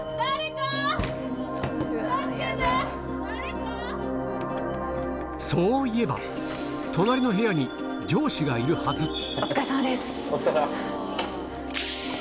・そういえばがいるはず